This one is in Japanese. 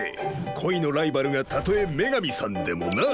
恋のライバルがたとえ女神さんでもな？